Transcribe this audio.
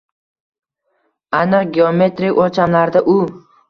Aniq geometrik o‘lchamlarda u.